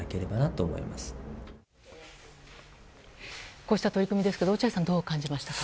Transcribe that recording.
こうした取り組みですけど落合さん、どう感じましたか。